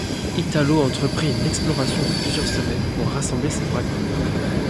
Italo entreprit une exploration de plusieurs semaines pour rassembler ces fragments.